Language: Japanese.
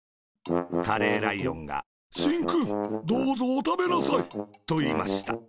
カレーライオンが「しんくん、どうぞおたべなさい。」と、いいました。